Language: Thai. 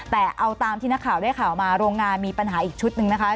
แต่เอาตามที่นักข่าวได้ข่าวมาโรงงานมีปัญหาอีกชุดหนึ่งนะคะ